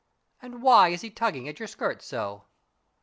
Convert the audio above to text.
And why is he tugging at your skirt so?"